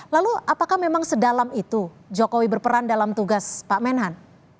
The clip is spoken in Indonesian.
lalu apakah memang sedalam itu jokowi berperan dalam tugas pak menhan